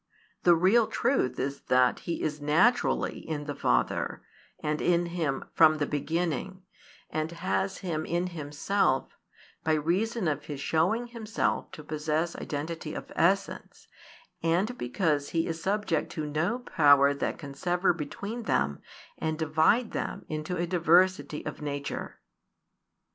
The real truth is that He is naturally in the Father, and in Him from the beginning, and has Him in Himself, by reason of His showing Himself to possess identity of essence, and because He is subject to no power that can sever between Them, and divide Them into a diversity of nature.